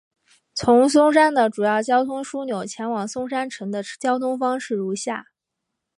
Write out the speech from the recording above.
从松山的主要交通枢纽前往松山城的交通方式如下。